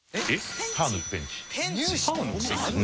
えっ？